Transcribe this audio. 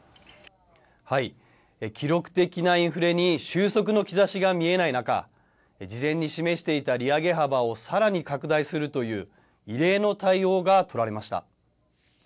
記録的なインフレに収束の兆しが見えない中、事前に示していた利上げ幅をさらに拡大するという、異例の対応が取られました。